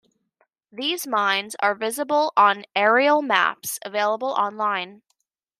These mines are visible on aerial maps available online.